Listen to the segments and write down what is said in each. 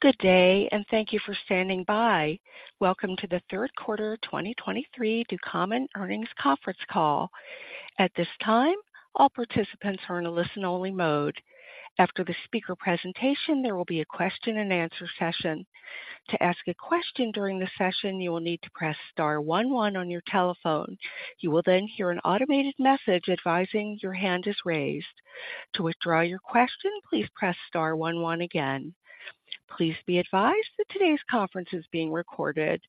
Good day, and thank you for standing by. Welcome to the third quarter 2023 Ducommun Earnings Conference Call. At this time, all participants are in a listen-only mode. After the speaker presentation, there will be a question-and-answer session. To ask a question during the session, you will need to press star one one on your telephone. You will then hear an automated message advising your hand is raised. To withdraw your question, please press star one one again. Please be advised that today's conference is being recorded.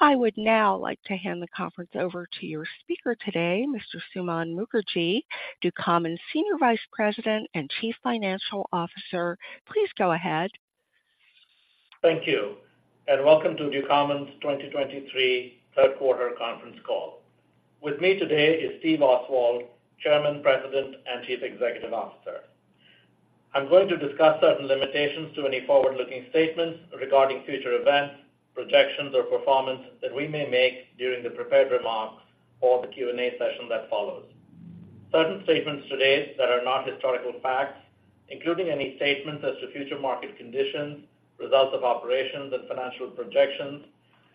I would now like to hand the conference over to your speaker today, Mr. Suman Mookerji, Ducommun's Senior Vice President and Chief Financial Officer. Please go ahead. Thank you, and welcome to Ducommun's 2023 third quarter conference call. With me today is Steve Oswald, Chairman, President, and Chief Executive Officer. I'm going to discuss certain limitations to any forward-looking statements regarding future events, projections, or performance that we may make during the prepared remarks or the Q&A session that follows. Certain statements today that are not historical facts, including any statements as to future market conditions, results of operations, and financial projections,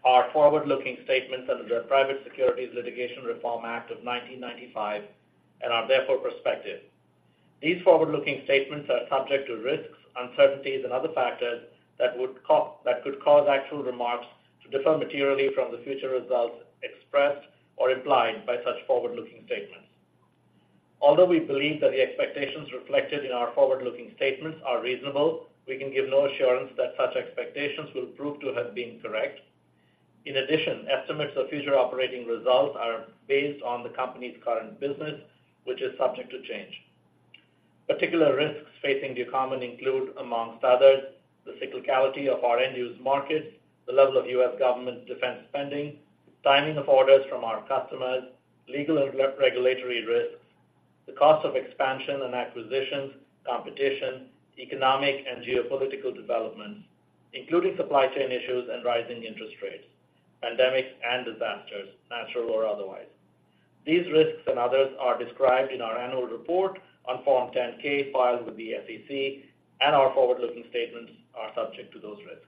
are forward-looking statements under the Private Securities Litigation Reform Act of 1995 and are therefore prospective. These forward-looking statements are subject to risks, uncertainties, and other factors that could cause actual results to differ materially from the future results expressed or implied by such forward-looking statements. Although we believe that the expectations reflected in our forward-looking statements are reasonable, we can give no assurance that such expectations will prove to have been correct. In addition, estimates of future operating results are based on the company's current business, which is subject to change. Particular risks facing Ducommun include, among others, the cyclicality of our end-use markets, the level of U.S. government defense spending, timing of orders from our customers, legal and regulatory risks, the cost of expansion and acquisitions, competition, economic and geopolitical developments, including supply chain issues and rising interest rates, pandemics and disasters, natural or otherwise. These risks and others are described in our annual report on Form 10-K filed with the SEC, and our forward-looking statements are subject to those risks.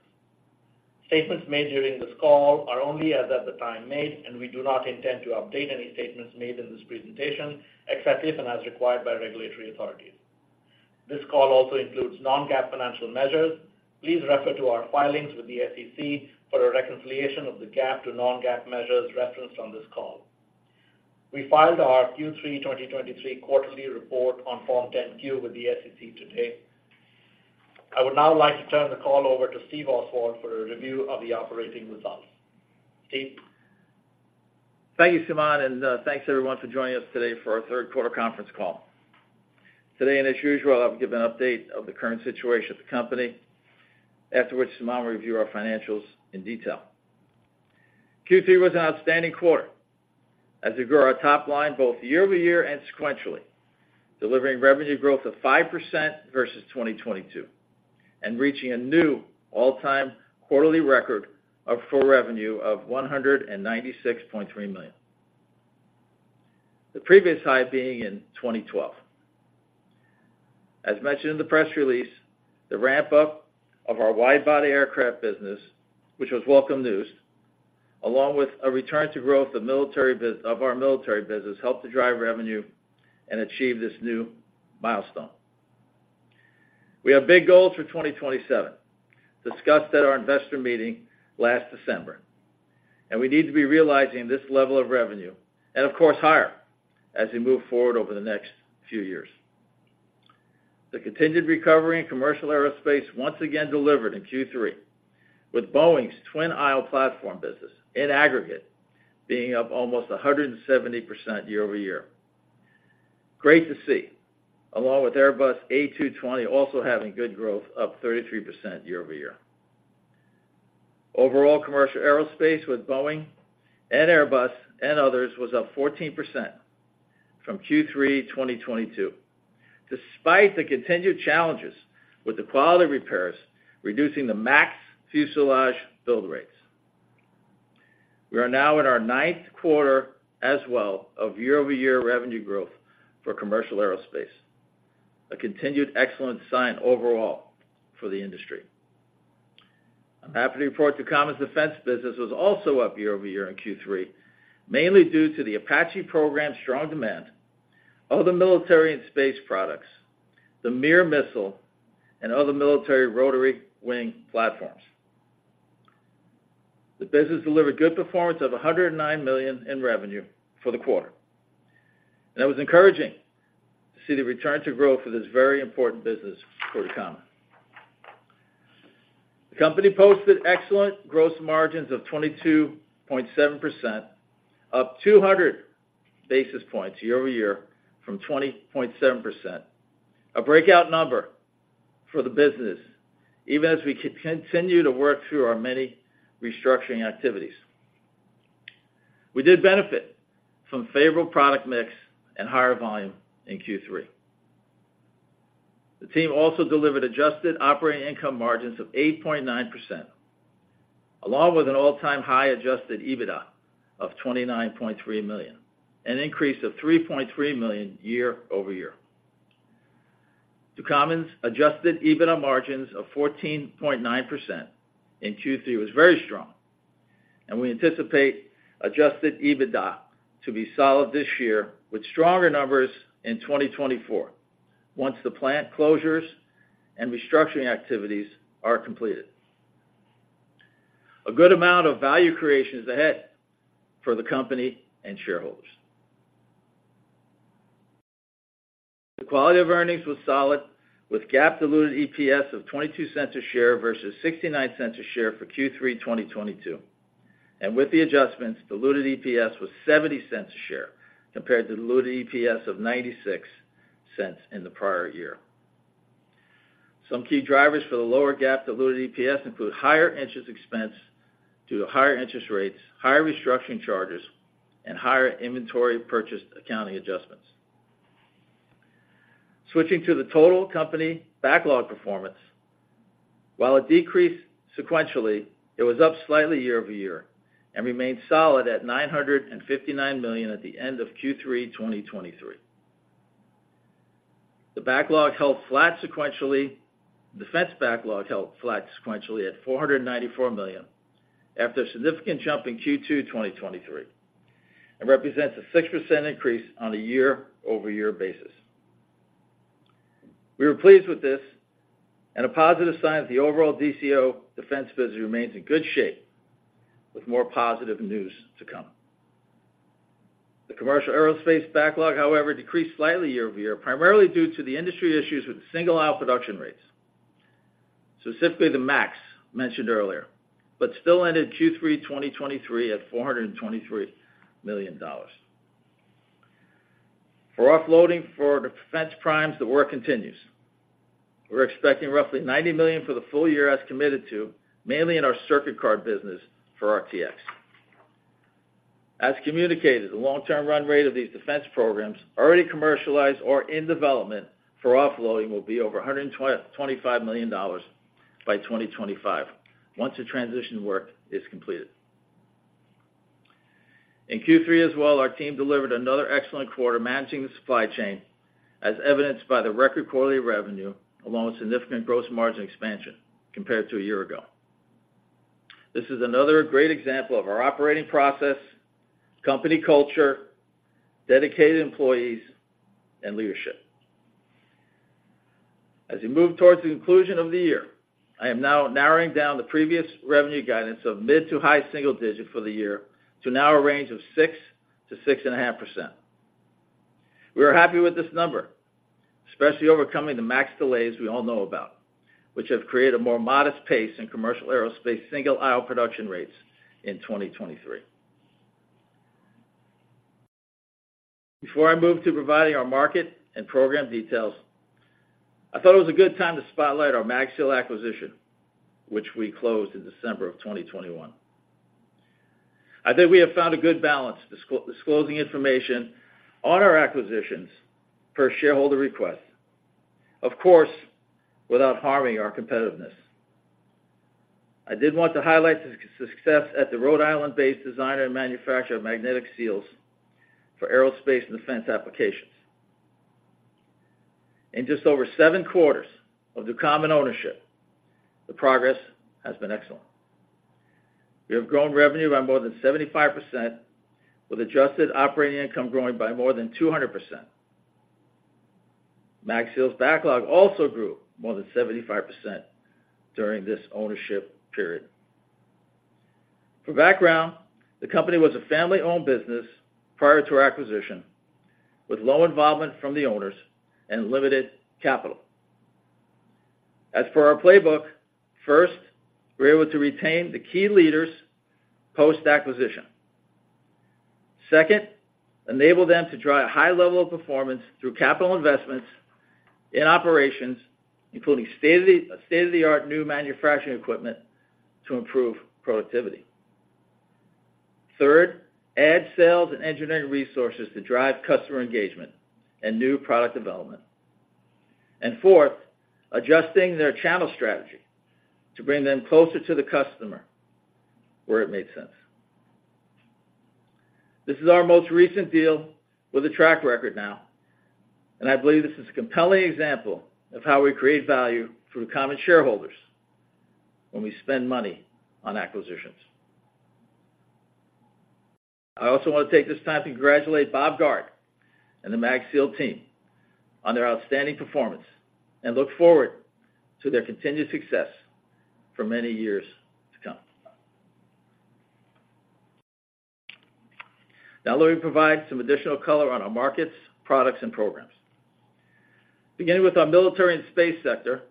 Statements made during this call are only as at the time made, and we do not intend to update any statements made in this presentation, except if and as required by regulatory authorities. This call also includes non-GAAP financial measures. Please refer to our filings with the SEC for a reconciliation of the GAAP to non-GAAP measures referenced on this call. We filed our Q3 2023 quarterly report on Form 10-Q with the SEC today. I would now like to turn the call over to Steve Oswald for a review of the operating results. Steve? Thank you, Suman, and, thanks, everyone, for joining us today for our third quarter conference call. Today, and as usual, I'll give an update of the current situation of the company, after which Suman will review our financials in detail. Q3 was an outstanding quarter as we grew our top line both year-over-year and sequentially, delivering revenue growth of 5% versus 2022 and reaching a new all-time quarterly record of full revenue of $196.3 million. The previous high being in 2012. As mentioned in the press release, the ramp-up of our wide-body aircraft business, which was welcome news, along with a return to growth of military of our military business, helped to drive revenue and achieve this new milestone. We have big goals for 2027, discussed at our investor meeting last December, and we need to be realizing this level of revenue, and of course, higher as we move forward over the next few years. The continued recovery in commercial aerospace once again delivered in Q3, with Boeing's twin-aisle platform business, in aggregate, being up almost 170% year-over-year. Great to see, along with Airbus A220 also having good growth, up 33% year-over-year. Overall, commercial aerospace with Boeing and Airbus and others was up 14% from Q3 2022, despite the continued challenges with the quality repairs, reducing the MAX fuselage build rates. We are now in our ninth quarter as well of year-over-year revenue growth for commercial aerospace, a continued excellent sign overall for the industry. I'm happy to report Ducommun's defense business was also up year-over-year in Q3, mainly due to the Apache program's strong demand, other military and space products, the NSM missile, and other military rotary wing platforms. The business delivered good performance of $109 million in revenue for the quarter, and it was encouraging to see the return to growth of this very important business for Ducommun. The company posted excellent gross margins of 22.7%, up 200 basis points year-over-year from 20.7%, a breakout number for the business, even as we continue to work through our many restructuring activities. We did benefit from favorable product mix and higher volume in Q3. The team also delivered adjusted operating income margins of 8.9%. along with an all-time high Adjusted EBITDA of $29.3 million, an increase of $3.3 million year-over-year. Ducommun's Adjusted EBITDA margins of 14.9% in Q3 was very strong, and we anticipate Adjusted EBITDA to be solid this year, with stronger numbers in 2024, once the plant closures and restructuring activities are completed. A good amount of value creation is ahead for the company and shareholders. The quality of earnings was solid, with GAAP diluted EPS of $0.22 a share versus $0.69 a share for Q3 2022. With the adjustments, diluted EPS was $0.70 a share, compared to diluted EPS of $0.96 in the prior year. Some key drivers for the lower GAAP diluted EPS include higher interest expense due to higher interest rates, higher restructuring charges, and higher inventory purchase accounting adjustments. Switching to the total company backlog performance. While it decreased sequentially, it was up slightly year-over-year and remained solid at $959 million at the end of Q3 2023. The backlog held flat sequentially. Defense backlog held flat sequentially at $494 million after a significant jump in Q2 2023, and represents a 6% increase on a year-over-year basis. We were pleased with this, and a positive sign that the overall DCO Defense business remains in good shape, with more positive news to come. The commercial aerospace backlog, however, decreased slightly year-over-year, primarily due to the industry issues with single aisle production rates, specifically the MAX mentioned earlier, but still ended Q3 2023 at $423 million. For offloading for the defense primes, the work continues. We're expecting roughly $90 million for the full year as committed to, mainly in our circuit card business for RTX. As communicated, the long-term run rate of these defense programs already commercialized or in development for offloading will be over $125 million by 2025, once the transition work is completed. In Q3 as well, our team delivered another excellent quarter, managing the supply chain, as evidenced by the record quarterly revenue, along with significant gross margin expansion compared to a year ago. This is another great example of our operating process, company culture, dedicated employees, and leadership. As we move towards the conclusion of the year, I am now narrowing down the previous revenue guidance of mid- to high-single-digit for the year to now a range of 6%-6.5%. We are happy with this number, especially overcoming the MAX delays we all know about, which have created a more modest pace in commercial aerospace single aisle production rates in 2023. Before I move to providing our market and program details, I thought it was a good time to spotlight our MagSeal acquisition, which we closed in December of 2021. I think we have found a good balance disclosing information on our acquisitions per shareholder request, of course, without harming our competitiveness. I did want to highlight the success at the Rhode Island-based designer and manufacturer of magnetic seals for aerospace and defense applications. In just over 7 quarters of Ducommun ownership, the progress has been excellent. We have grown revenue by more than 75%, with adjusted operating income growing by more than 200%. MagSeal's backlog also grew more than 75% during this ownership period. For background, the company was a family-owned business prior to our acquisition, with low involvement from the owners and limited capital. As for our playbook, first, we were able to retain the key leaders post-acquisition. Second, enable them to drive a high level of performance through capital investments in operations, including state-of-the-art new manufacturing equipment to improve productivity. Third, add sales and engineering resources to drive customer engagement and new product development. And fourth, adjusting their channel strategy to bring them closer to the customer where it made sense. This is our most recent deal with a track record now, and I believe this is a compelling example of how we create value for Ducommun shareholders when we spend money on acquisitions. I also want to take this time to congratulate Bob Gard and the MagSeal team on their outstanding performance, and look forward to their continued success for many years to come. Now, let me provide some additional color on our markets, products, and programs. Beginning with our military and space sector,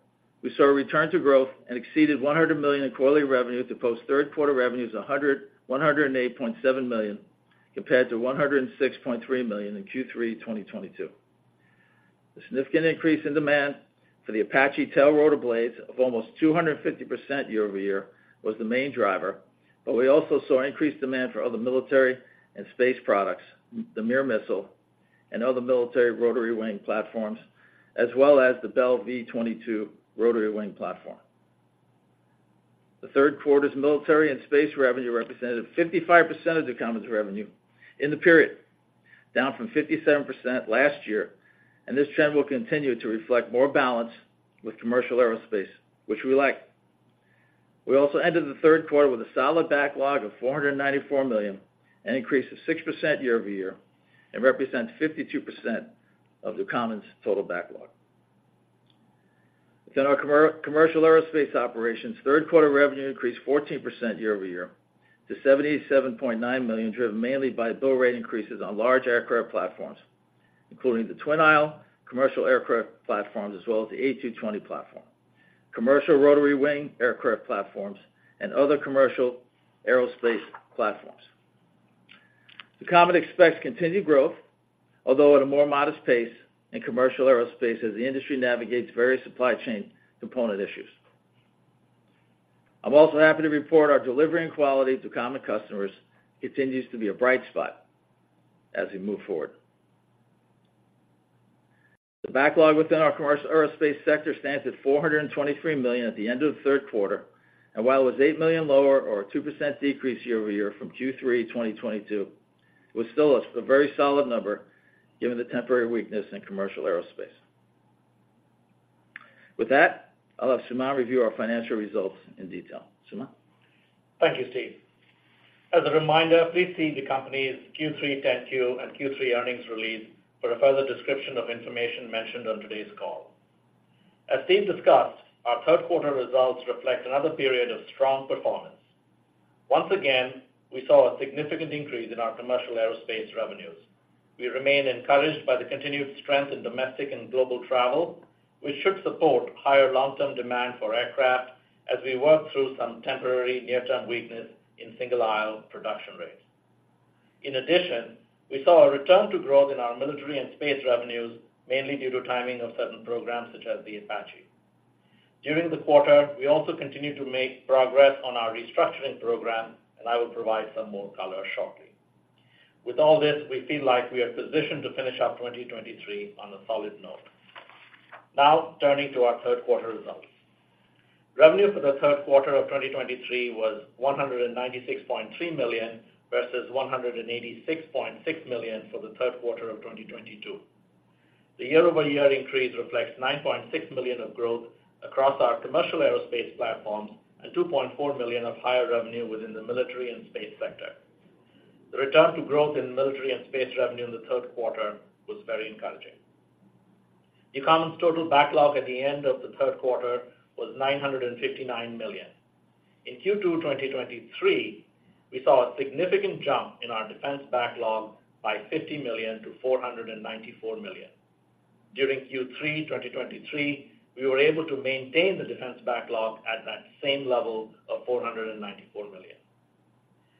we saw a return to growth and exceeded $100 million in quarterly revenue to post third quarter revenues of $108.7 million, compared to $106.3 million in Q3 2022. The significant increase in demand for the Apache tail rotor blades of almost 250% year-over-year was the main driver, but we also saw increased demand for other military and space products, the NSM missile and other military rotary wing platforms, as well as the Bell V-22 rotary wing platform. The third quarter's military and space revenue represented 55% of Ducommun's revenue in the period, down from 57% last year, and this trend will continue to reflect more balance with commercial aerospace, which we like. We also ended the third quarter with a solid backlog of $494 million, an increase of 6% year-over-year, and represents 52% of Ducommun's total backlog. Within our commercial aerospace operations, third quarter revenue increased 14% year-over-year to $77.9 million, driven mainly by build rate increases on large aircraft platforms, including the twin-aisle commercial aircraft platforms, as well as the A220 platform, commercial rotary wing aircraft platforms, and other commercial aerospace platforms. Ducommun expects continued growth, although at a more modest pace in commercial aerospace, as the industry navigates various supply chain component issues. I'm also happy to report our delivery and quality to common customers continues to be a bright spot as we move forward. The backlog within our commercial aerospace sector stands at $423 million at the end of the third quarter, and while it was $8 million lower or a 2% decrease year-over-year from Q3 2022, it was still a very solid number given the temporary weakness in commercial aerospace. With that, I'll have Suman review our financial results in detail. Suman? Thank you, Steve. As a reminder, please see the company's Q3 10-Q and Q3 earnings release for a further description of information mentioned on today's call. As Steve discussed, our third quarter results reflect another period of strong performance. Once again, we saw a significant increase in our commercial aerospace revenues. We remain encouraged by the continued strength in domestic and global travel, which should support higher long-term demand for aircraft as we work through some temporary near-term weakness in single-aisle production rates. In addition, we saw a return to growth in our military and space revenues, mainly due to timing of certain programs such as the Apache. During the quarter, we also continued to make progress on our restructuring program, and I will provide some more color shortly. With all this, we feel like we are positioned to finish our 2023 on a solid note. Now, turning to our third quarter results. Revenue for the third quarter of 2023 was $196.3 million, versus $186.6 million for the third quarter of 2022. The year-over-year increase reflects $9.6 million of growth across our commercial aerospace platforms and $2.4 million of higher revenue within the military and space sector. The return to growth in military and space revenue in the third quarter was very encouraging. Ducommun's total backlog at the end of the third quarter was $959 million. In Q2 2023, we saw a significant jump in our defense backlog by $50 million to $494 million. During Q3 2023, we were able to maintain the defense backlog at that same level of $494 million.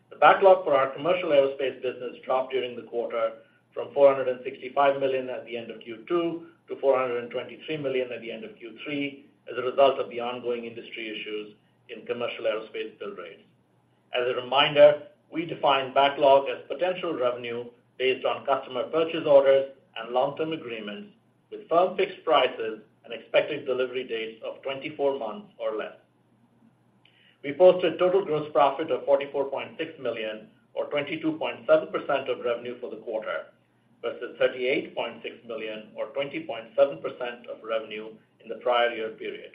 The backlog for our commercial aerospace business dropped during the quarter from $465 million at the end of Q2 to $423 million at the end of Q3 as a result of the ongoing industry issues in commercial aerospace build rates. As a reminder, we define backlog as potential revenue based on customer purchase orders and long-term agreements with firm fixed prices and expected delivery dates of 24 months or less. We posted total gross profit of $44.6 million or 22.7% of revenue for the quarter, versus $38.6 million or 20.7% of revenue in the prior year period.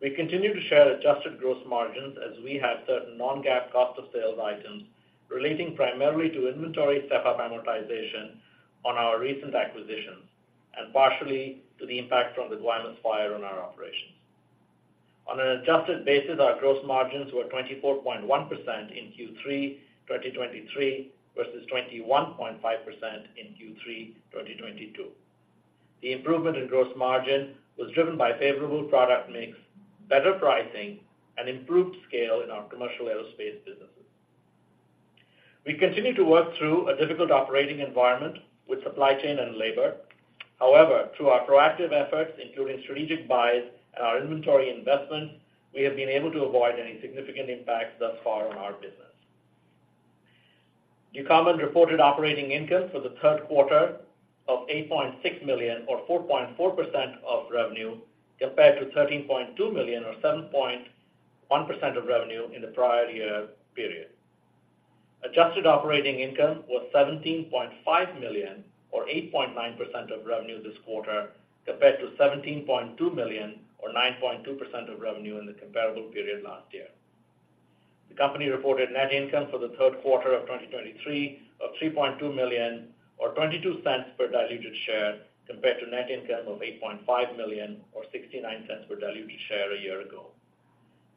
We continue to share adjusted gross margins as we had certain non-GAAP cost of sales items, relating primarily to inventory step-up amortization on our recent acquisitions, and partially to the impact from the Guaymas fire on our operations. On an adjusted basis, our gross margins were 24.1% in Q3 2023, versus 21.5% in Q3 2022. The improvement in gross margin was driven by favorable product mix, better pricing, and improved scale in our commercial aerospace businesses. We continue to work through a difficult operating environment with supply chain and labor. However, through our proactive efforts, including strategic buys and our inventory investment, we have been able to avoid any significant impact thus far on our business. Ducommun reported operating income for the third quarter of $8.6 million or 4.4% of revenue, compared to $13.2 million or 7.1% of revenue in the prior year period. Adjusted operating income was $17.5 million or 8.9% of revenue this quarter, compared to $17.2 million or 9.2% of revenue in the comparable period last year. The company reported net income for the third quarter of 2023 of $3.2 million or $0.22 per diluted share, compared to net income of $8.5 million or $0.69 per diluted share a year ago.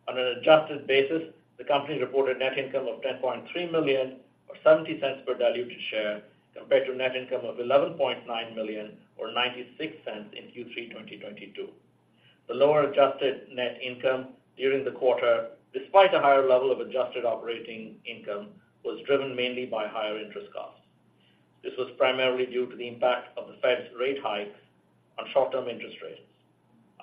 On an adjusted basis, the company reported net income of $10.3 million or $0.70 per diluted share, compared to net income of $11.9 million or $0.96 in Q3 2022. The lower adjusted net income during the quarter, despite a higher level of adjusted operating income, was driven mainly by higher interest costs. This was primarily due to the impact of the Fed's rate hike on short-term interest rates.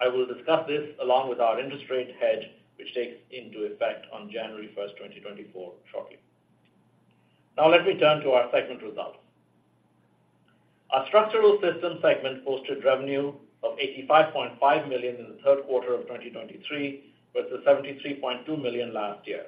I will discuss this along with our interest rate hedge, which takes into effect on January 1, 2024, shortly. Now let me turn to our segment results. Our Structural Systems segment posted revenue of $85.5 million in the third quarter of 2023, versus $73.2 million last year.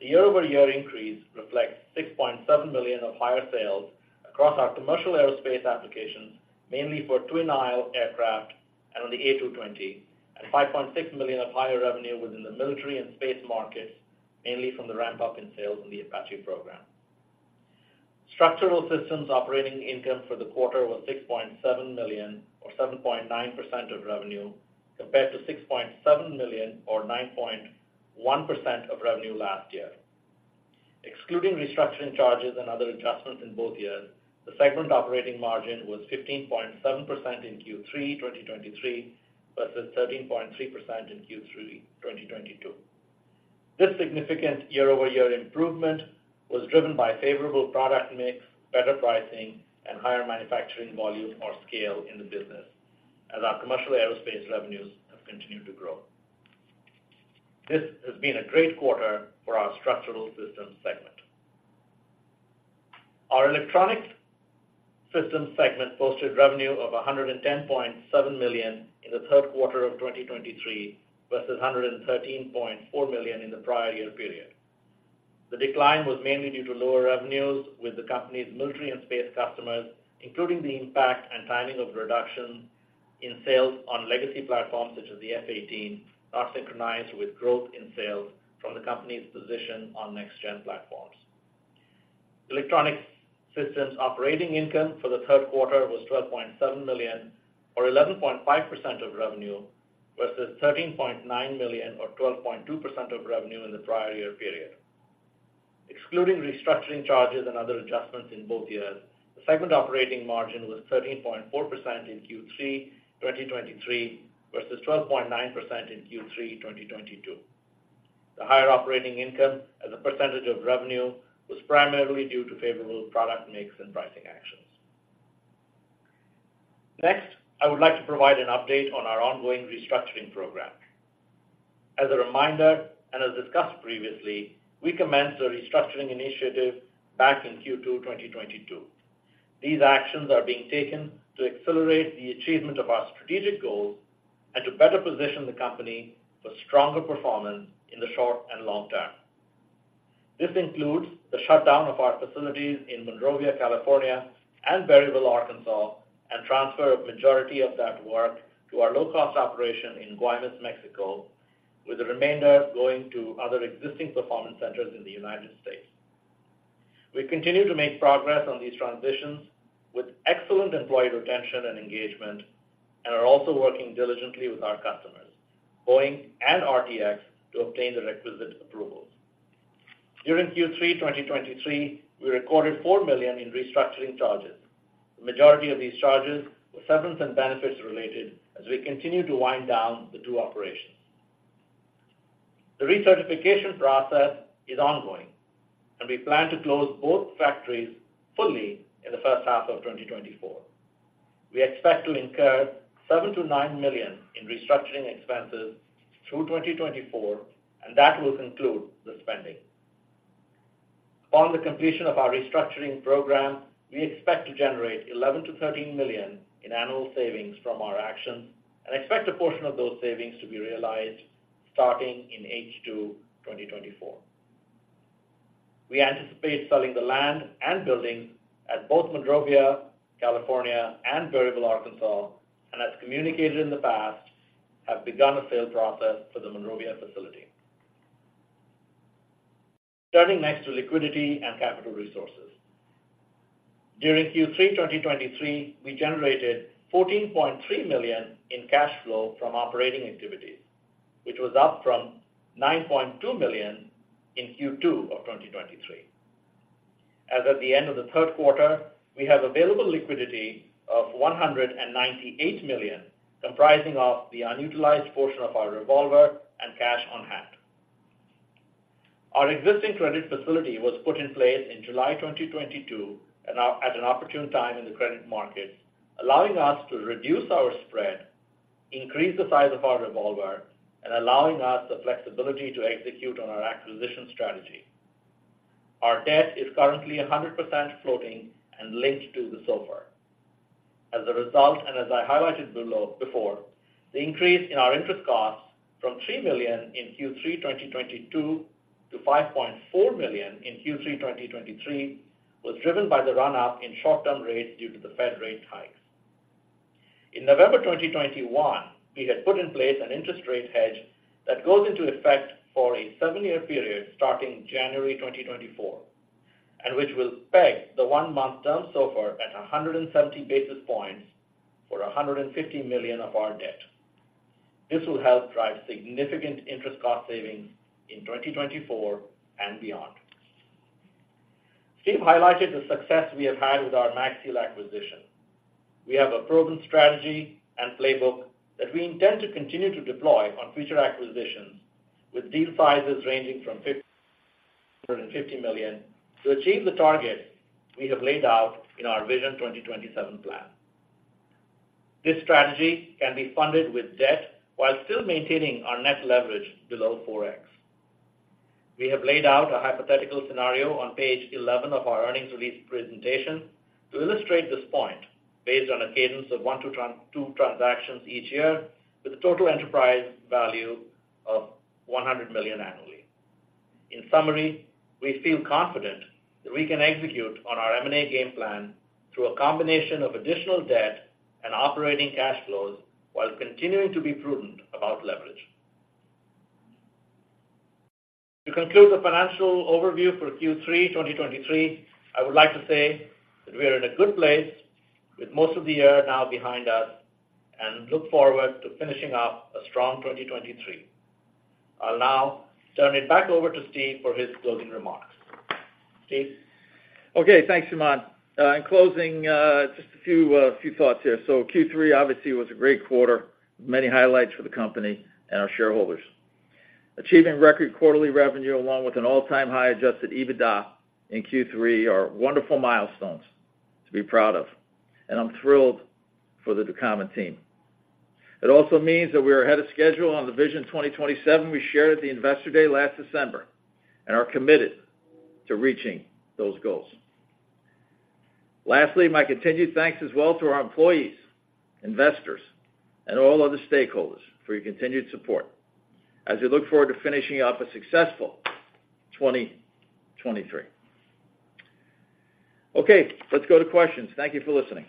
The year-over-year increase reflects $6.7 million of higher sales across our commercial aerospace applications, mainly for twin aisle aircraft and on the A220, and $5.6 million of higher revenue within the military and space markets, mainly from the ramp-up in sales in the Apache program. Structural Systems operating income for the quarter was $6.7 million, or 7.9% of revenue, compared to $6.7 million or 9.1% of revenue last year. Excluding restructuring charges and other adjustments in both years, the segment operating margin was 15.7% in Q3 2023, versus 13.3% in Q3 2022. This significant year-over-year improvement was driven by favorable product mix, better pricing, and higher manufacturing volumes or scale in the business, as our commercial aerospace revenues have continued to grow. This has been a great quarter for our Structural Systems segment. Our Electronic Systems segment posted revenue of $110.7 million in the third quarter of 2023, versus $113.4 million in the prior year period. The decline was mainly due to lower revenues with the company's military and space customers, including the impact and timing of reductions in sales on legacy platforms such as the F-18, not synchronized with growth in sales from the company's position on next-gen platforms. Electronic Systems operating income for the third quarter was $12.7 million or 11.5% of revenue, versus $13.9 million or 12.2% of revenue in the prior year period. Excluding restructuring charges and other adjustments in both years, the segment operating margin was 13.4% in Q3 2023, versus 12.9% in Q3 2022. The higher operating income as a percentage of revenue was primarily due to favorable product mix and pricing actions. Next, I would like to provide an update on our ongoing restructuring program. As a reminder, and as discussed previously, we commenced a restructuring initiative back in Q2 2022. These actions are being taken to accelerate the achievement of our strategic goals and to better position the company for stronger performance in the short and long term. This includes the shutdown of our facilities in Monrovia, California, and Berryville, Arkansas, and transfer of majority of that work to our low-cost operation in Guaymas, Mexico, with the remainder going to other existing performance centers in the United States. We continue to make progress on these transitions with excellent employee retention and engagement, and are also working diligently with our customers, Boeing and RTX, to obtain the requisite approvals. During Q3 2023, we recorded $4 million in restructuring charges. The majority of these charges were severance and benefits related as we continue to wind down the two operations. The recertification process is ongoing, and we plan to close both factories fully in the first half of 2024. We expect to incur $7 million-$9 million in restructuring expenses through 2024, and that will conclude the spending. Upon the completion of our restructuring program, we expect to generate $11 million-$13 million in annual savings from our actions and expect a portion of those savings to be realized starting in H2 2024. We anticipate selling the land and buildings at both Monrovia, California, and Berryville, Arkansas, and as communicated in the past, have begun a sale process for the Monrovia facility. Turning next to liquidity and capital resources. During Q3 2023, we generated $14.3 million in cash flow from operating activities, which was up from $9.2 million in Q2 of 2023. As at the end of the third quarter, we have available liquidity of $198 million, comprising of the unutilized portion of our revolver and cash on hand. Our existing credit facility was put in place in July 2022, and at an opportune time in the credit market, allowing us to reduce our spread, increase the size of our revolver, and allowing us the flexibility to execute on our acquisition strategy. Our debt is currently 100% floating and linked to the SOFR. As a result, and as I highlighted below-- before, the increase in our interest costs from $3 million in Q3 2022 to $5.4 million in Q3 2023, was driven by the run-up in short-term rates due to the Fed rate hikes. In November 2021, we had put in place an interest rate hedge that goes into effect for a 7-year period starting January 2024, and which will peg the one-month term SOFR at 170 basis points for $150 million of our debt. This will help drive significant interest cost savings in 2024 and beyond. Steve highlighted the success we have had with our MagSeal acquisition. We have a proven strategy and playbook that we intend to continue to deploy on future acquisitions, with deal sizes ranging from $50-$150 million to achieve the target we have laid out in our Vision 2027 plan. This strategy can be funded with debt while still maintaining our net leverage below 4x. We have laid out a hypothetical scenario on page 11 of our earnings release presentation to illustrate this point, based on a cadence of 1-2 transactions each year, with a total enterprise value of $100 million annually. In summary, we feel confident that we can execute on our M&A game plan through a combination of additional debt and operating cash flows, while continuing to be prudent about leverage. To conclude the financial overview for Q3 2023, I would like to say that we are in a good place with most of the year now behind us, and look forward to finishing up a strong 2023. I'll now turn it back over to Steve for his closing remarks. Steve? Okay, thanks, Suman. In closing, just a few few thoughts here. So Q3 obviously was a great quarter, many highlights for the company and our shareholders. Achieving record quarterly revenue, along with an all-time high Adjusted EBITDA in Q3, are wonderful milestones to be proud of, and I'm thrilled for the Ducommun team. It also means that we are ahead of schedule on the Vision 2027 we shared at the Investor Day last December, and are committed to reaching those goals. Lastly, my continued thanks as well to our employees, investors, and all other stakeholders for your continued support as we look forward to finishing up a successful 2023. Okay, let's go to questions. Thank you for listening.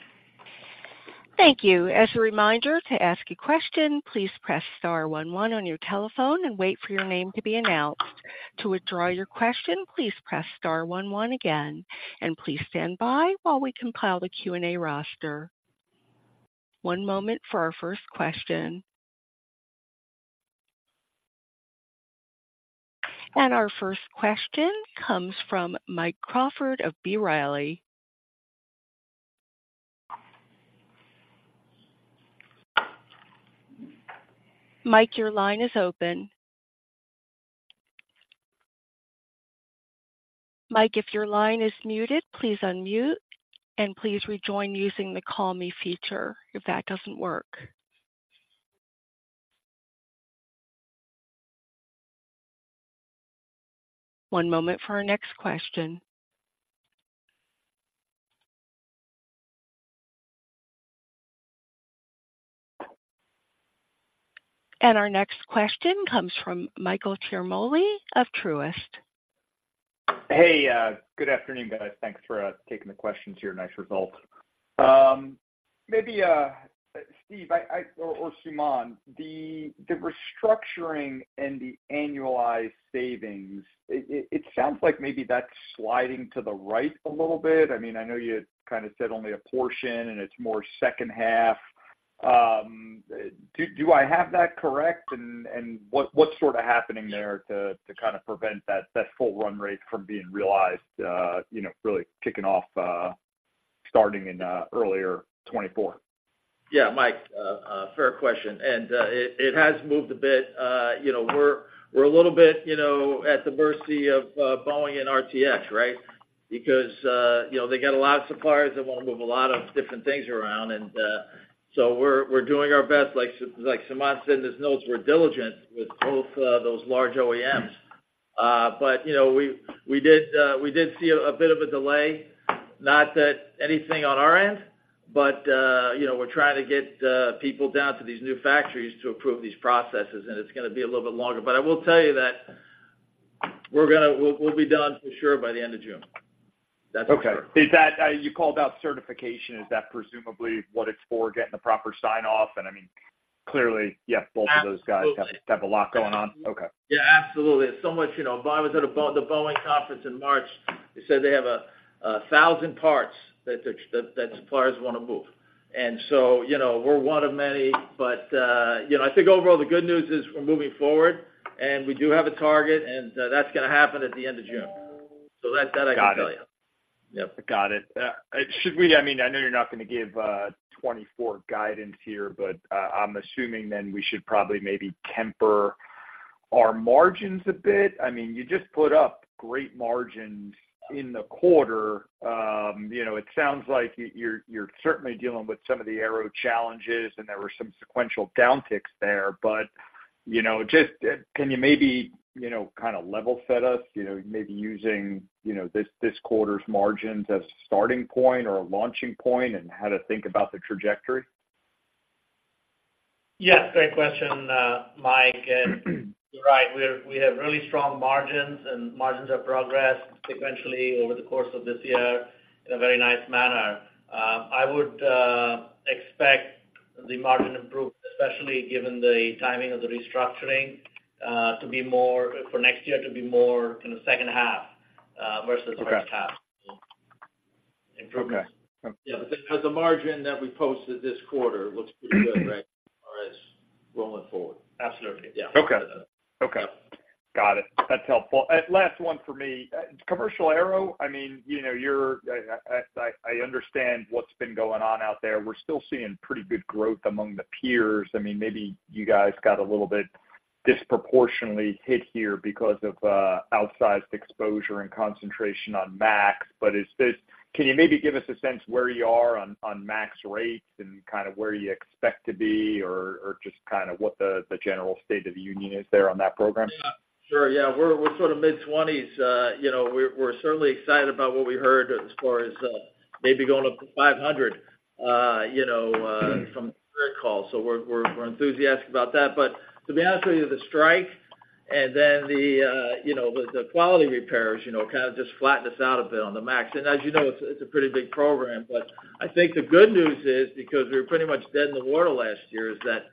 Thank you. As a reminder to ask a question, please press star one one on your telephone and wait for your name to be announced. To withdraw your question, please press star one one again, and please stand by while we compile the Q&A roster. One moment for our first question. Our first question comes from Mike Crawford of B. Riley. Mike, your line is open. Mike, if your line is muted, please unmute, and please rejoin using the Call Me feature if that doesn't work. One moment for our next question. Our next question comes from Michael Ciarmoli of Truist. Hey, good afternoon, guys. Thanks for taking the questions here. Nice results. Maybe, Steve, I or Suman, the restructuring and the annualized savings, it sounds like maybe that's sliding to the right a little bit. I mean, I know you kind of said only a portion, and it's more second half. Do I have that correct? And what, what's sort of happening there to kind of prevent that full run rate from being realized, you know, really kicking off, starting in earlier 2024? Yeah, Mike, fair question, and it has moved a bit. You know, we're a little bit, you know, at the mercy of Boeing and RTX, right? Because you know, they got a lot of suppliers that want to move a lot of different things around. And so we're doing our best. Like Suman said in his notes, we're diligent with both those large OEMs. But you know, we did see a bit of a delay, not that anything on our end, but you know, we're trying to get people down to these new factories to approve these processes, and it's gonna be a little bit longer. But I will tell you that we're gonna. We'll, we'll be done for sure by the end of June. That's for sure. Okay. Is that, you called out certification, is that presumably what it's for, getting the proper sign-off? And I mean, clearly, yes, both of those guys. Absolutely. Have a lot going on. Okay. Yeah, absolutely. So, you know, Boeing was at the Boeing conference in March. They said they have 1,000 parts that suppliers want to move. And so, you know, we're one of many, but, you know, I think overall, the good news is we're moving forward, and we do have a target, and that's gonna happen at the end of June. So that I can tell you. Got it. Yep. Got it. I mean, I know you're not gonna give 2024 guidance here, but I'm assuming then we should probably maybe temper our margins a bit. I mean, you just put up great margins in the quarter. You know, it sounds like you're certainly dealing with some of the aero challenges, and there were some sequential downticks there. But, you know, just, can you maybe, you know, kind of level set us, you know, maybe using, you know, this quarter's margins as a starting point or a launching point, and how to think about the trajectory? Yes, great question, Mike, and you're right. We have really strong margins, and margins have progressed sequentially over the course of this year in a very nice manner. I would expect the margin improvement, especially given the timing of the restructuring, to be more for next year, to be more in the second half versus the first half. Okay. Improvement. Okay. Yeah, because the margin that we posted this quarter looks pretty good, right, rolling forward. Absolutely, Yeah. Okay. Okay. Got it. That's helpful. Last one for me. Commercial aero, I mean, you know, you're. I understand what's been going on out there. We're still seeing pretty good growth among the peers. I mean, maybe you guys got a little bit disproportionately hit here because of outsized exposure and concentration on MAX. But is this? Can you maybe give us a sense where you are on MAX rates and kind of where you expect to be, or just kind of what the general state of the union is there on that program? Yeah, sure. Yeah, we're sort of mid-20s. You know, we're certainly excited about what we heard as far as maybe going up to 500, you know, from the third call, so we're enthusiastic about that. But to be honest with you, the strike and then the, you know, the quality repairs, you know, kind of just flattened us out a bit on the MAX. And as you know, it's a pretty big program. But I think the good news is, because we were pretty much dead in the water last year, is that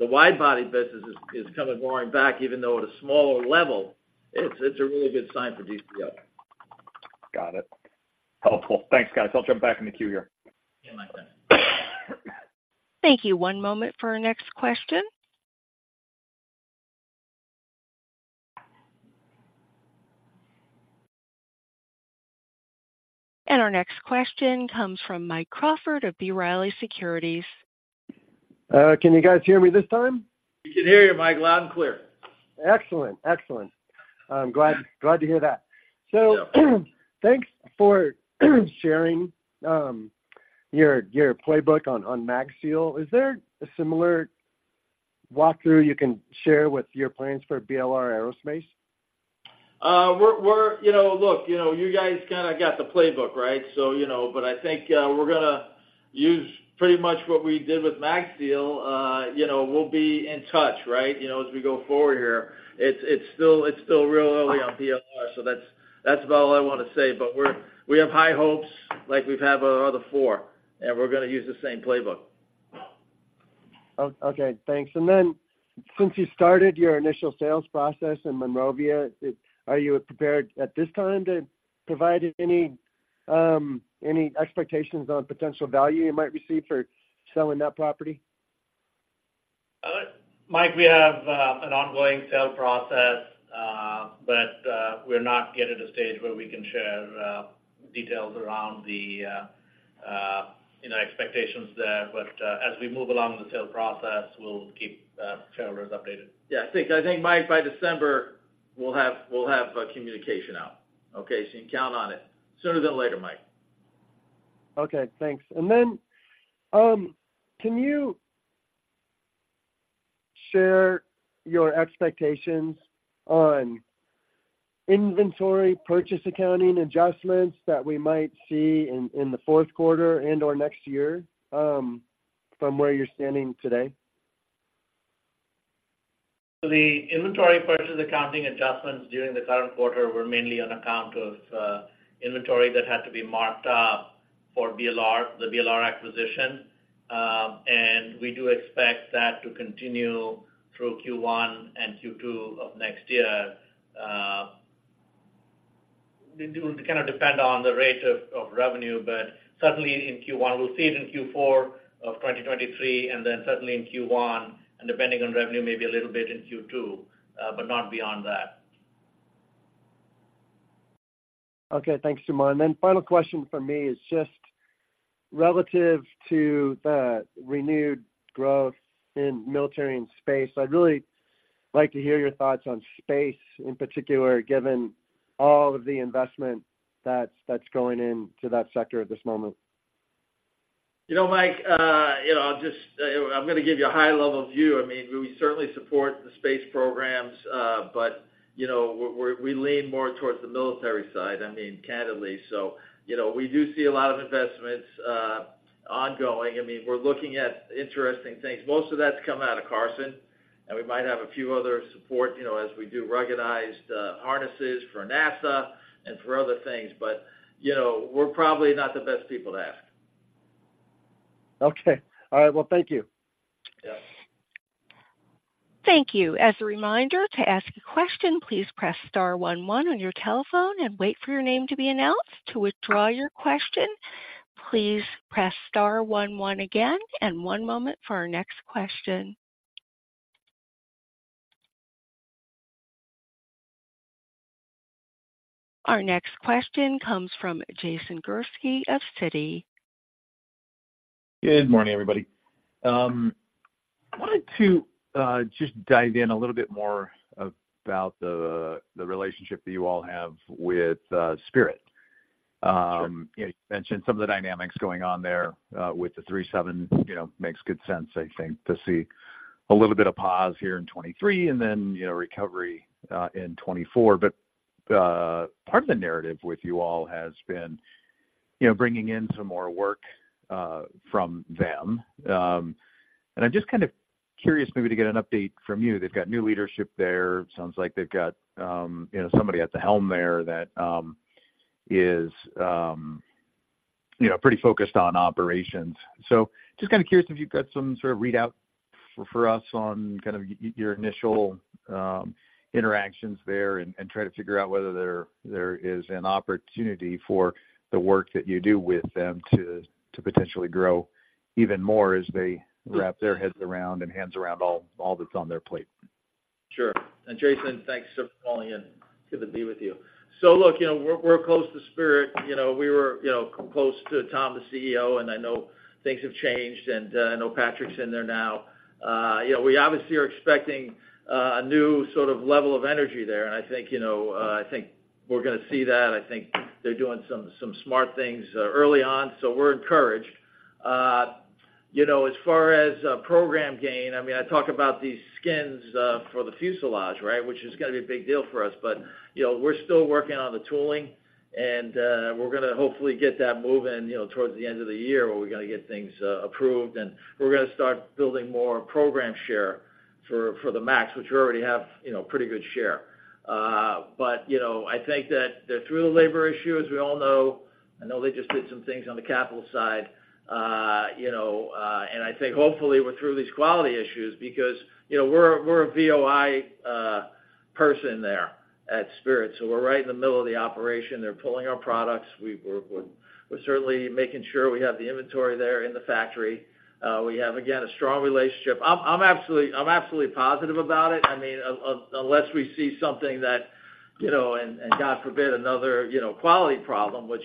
the wide-body business is kind of roaring back, even though at a smaller level, it's a really good sign for DCF. Got it. Helpful. Thanks, guys. I'll jump back in the queue here. Yeah, my friend. Thank you. One moment for our next question. Our next question comes from Mike Crawford of B. Riley Securities. Can you guys hear me this time? We can hear you, Mike, loud and clear. Excellent. Excellent. I'm glad, glad to hear that. Yeah. Thanks for sharing your playbook on MagSeal. Is there a similar walkthrough you can share with your plans for BLR Aerospace? We're, You know, look, you know, you guys kinda got the playbook, right? So, you know, but I think we're gonna use pretty much what we did with MagSeal. You know, we'll be in touch, right, you know, as we go forward here. It's still real early on BLR, so that's about all I want to say. But we're, we have high hopes like we've had with our other four, and we're gonna use the same playbook. Okay, thanks. And then since you started your initial sales process in Monrovia, are you prepared at this time to provide any expectations on potential value you might receive for selling that property? Mike, we have an ongoing sale process, but we're not yet at a stage where we can share details around the, you know, expectations there. But as we move along in the sales process, we'll keep shareholders updated. Yeah, I think, Mike, by December, we'll have a communication out, okay? So you can count on it sooner than later, Mike. Okay, thanks. And then, can you share your expectations on inventory purchase accounting adjustments that we might see in the fourth quarter and/or next year, from where you're standing today? The inventory purchase accounting adjustments during the current quarter were mainly on account of inventory that had to be marked up for BLR, the BLR acquisition. We do expect that to continue through Q1 and Q2 of next year. It kinda depends on the rate of revenue, but certainly in Q1, we'll see it in Q4 of 2023, and then certainly in Q1, and depending on revenue, maybe a little bit in Q2, but not beyond that. Okay, thanks, Suman. Then final question from me is just relative to the renewed growth in military and space. I'd really like to hear your thoughts on space, in particular, given all of the investment that's, that's going into that sector at this moment. You know, Mike, you know, I'll just. I'm gonna give you a high-level view. I mean, we certainly support the space programs, but, you know, we're, we lean more towards the military side, I mean, candidly. So, you know, we do see a lot of investments, ongoing. I mean, we're looking at interesting things. Most of that's coming out of Carson, and we might have a few other support, you know, as we do ruggedized, harnesses for NASA and for other things. But, you know, we're probably not the best people to ask. Okay. All right. Well, thank you. Yeah. Thank you. As a reminder, to ask a question, please press star one one on your telephone and wait for your name to be announced. To withdraw your question, please press star one one again, and one moment for our next question. Our next question comes from Jason Gursky of Citi. Good morning, everybody. I wanted to just dive in a little bit more about the relationship that you all have with Spirit. Sure. You mentioned some of the dynamics going on there with the 737, you know, makes good sense, I think, to see a little bit of pause here in 2023 and then, you know, recovery in 2024. But part of the narrative with you all has been, you know, bringing in some more work from them. And I'm just kind of curious maybe to get an update from you. They've got new leadership there. Sounds like they've got, you know, somebody at the helm there that is, you know, pretty focused on operations. So just kind of curious if you've got some sort of readout for us on kind of your initial interactions there and try to figure out whether there is an opportunity for the work that you do with them to potentially grow even more as they wrap their heads around and hands around all that's on their plate. Sure. And Jason, thanks for calling in. Good to be with you. So look, you know, we're close to Spirit. You know, we were close to Tom, the CEO, and I know things have changed, and I know Patrick's in there now. You know, we obviously are expecting a new sort of level of energy there, and I think, you know, I think we're gonna see that. I think they're doing some smart things early on, so we're encouraged. You know, as far as program gain, I mean, I talk about these skins for the fuselage, right? Which is gonna be a big deal for us. But, you know, we're still working on the tooling, and we're gonna hopefully get that moving, you know, towards the end of the year, where we're gonna get things approved, and we're gonna start building more program share for the MAX, which we already have, you know, pretty good share. But, you know, I think that they're through the labor issues, we all know. I know they just did some things on the capital side. You know, and I think hopefully we're through these quality issues because, you know, we're a VOI person there at Spirit, so we're right in the middle of the operation. They're pulling our products. We're certainly making sure we have the inventory there in the factory. We have, again, a strong relationship. I'm absolutely positive about it. I mean, unless we see something that, you know, and God forbid, another, you know, quality problem, which,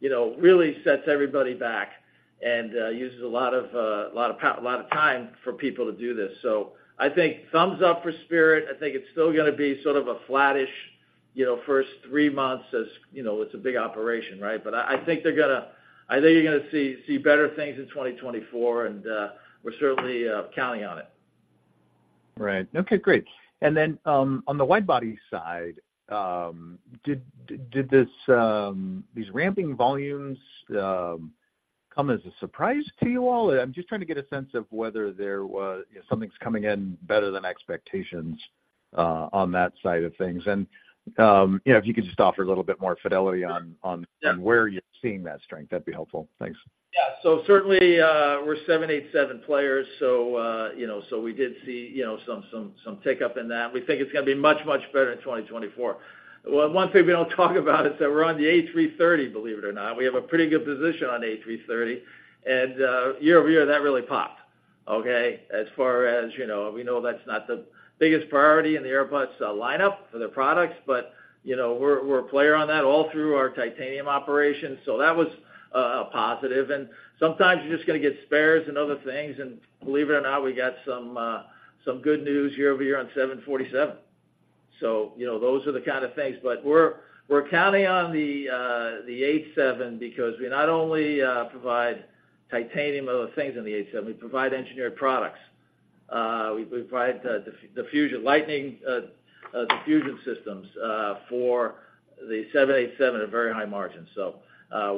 you know, really sets everybody back and uses a lot of time for people to do this. So I think thumbs up for Spirit. I think it's still gonna be sort of a flattish, you know, first three months as, you know, it's a big operation, right? But I think they're gonna, I think you're gonna see better things in 2024, and we're certainly counting on it. Right. Okay, great. And then, on the widebody side, did these ramping volumes come as a surprise to you all? I'm just trying to get a sense of whether there was, you know, something's coming in better than expectations, on that side of things. And, you know, if you could just offer a little bit more fidelity on, on Yeah. where you're seeing that strength, that'd be helpful. Thanks. Yeah. So certainly, we're 787 players, so, you know, so we did see, you know, some tick-up in that. We think it's gonna be much, much better in 2024. Well, one thing we don't talk about is that we're on the A330, believe it or not. We have a pretty good position on A330, and, year-over-year, that really popped. Okay, as far as, you know, we know that's not the biggest priority in the Airbus lineup for their products, but, you know, we're a player on that all through our titanium operations, so that was a positive. And sometimes you're just gonna get spares and other things, and believe it or not, we got some good news year-over-year on 747. So, you know, those are the kind of things. But we're counting on the 787 because we not only provide titanium and other things in the 787, we provide engineered products. We provide lightning diffusion systems for the 787 at very high margins. So,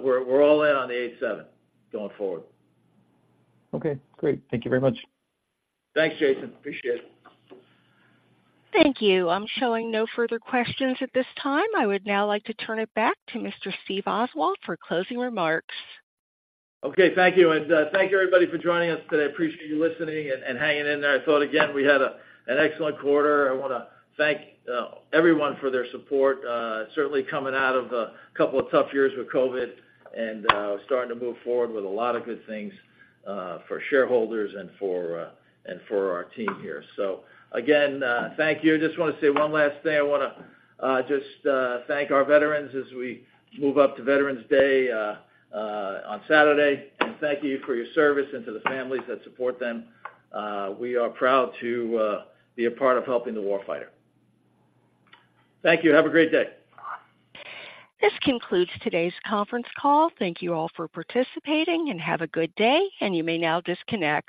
we're all in on the 787 going forward. Okay, great. Thank you very much. Thanks, Jason. Appreciate it. Thank you. I'm showing no further questions at this time. I would now like to turn it back to Mr. Steve Oswald for closing remarks. Okay, thank you, and thank you, everybody, for joining us today. I appreciate you listening and hanging in there. I thought again, we had an excellent quarter. I wanna thank everyone for their support, certainly coming out of a couple of tough years with COVID and starting to move forward with a lot of good things for shareholders and for our team here. So again, thank you. I just wanna say one last thing. I wanna just thank our veterans as we move up to Veterans Day on Saturday, and thank you for your service and to the families that support them. We are proud to be a part of helping the warfighter. Thank you, and have a great day. This concludes today's conference call. Thank you all for participating, and have a good day, and you may now disconnect.